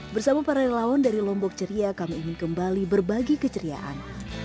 bersama para relawan dari lombok ceria kami ingin kembali berbagi keceriaan